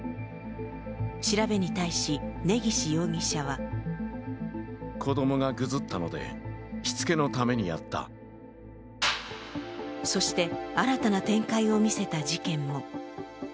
調べに対し、根岸容疑者はそして、新たな展開を見せた事件も。